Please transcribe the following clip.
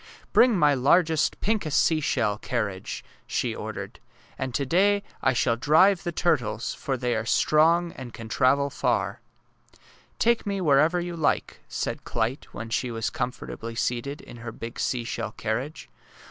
^^ Bring my largest, pinkest seashell car riage," she ordered. *^ And to day I shall A SUNFLOWER STORY 203 drive the turtles, for they are strong and can travel far." *^ Take me wherever you like," said Clyte, when she was comfortably seated in her big seashell carriage.